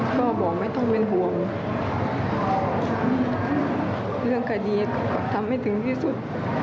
ก็บอกไม่ต้องเป็นห่วงเรื่องคดีทำให้ถึงที่สุด